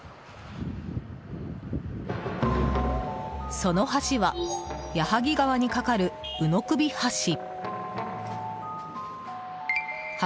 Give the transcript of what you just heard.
その橋は矢作川に架かる鵜の首橋。